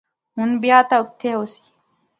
ہن بیاۃ اوتھیں ایہہ ہونے